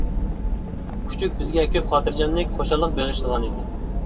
كۈچۈك بىزگە كۆپ خاتىرجەملىك، خۇشاللىق بېغىشلىغانىدى.